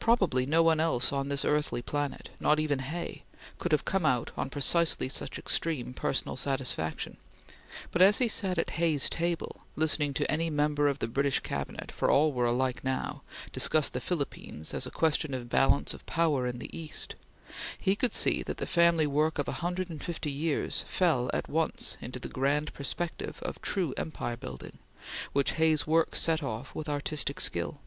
Probably no one else on this earthly planet not even Hay could have come out on precisely such extreme personal satisfaction, but as he sat at Hay's table, listening to any member of the British Cabinet, for all were alike now, discuss the Philippines as a question of balance of power in the East, he could see that the family work of a hundred and fifty years fell at once into the grand perspective of true empire building, which Hay's work set off with artistic skill.